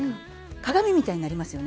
鏡みたいになりますよね。